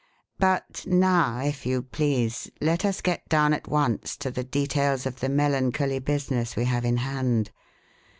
But now, if you please, let us get down at once to the details of the melancholy business we have in hand.